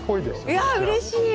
いやあ、うれしい！